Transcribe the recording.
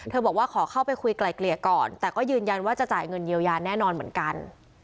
บอกว่าขอเข้าไปคุยไกลเกลี่ยก่อนแต่ก็ยืนยันว่าจะจ่ายเงินเยียวยาแน่นอนเหมือนกัน